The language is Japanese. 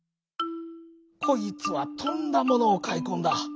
「こいつはとんだものをかいこんだ。